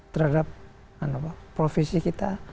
terhadap profesi kita